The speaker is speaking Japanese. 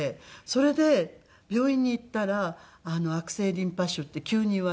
それで病院に行ったら悪性リンパ腫って急に言われて。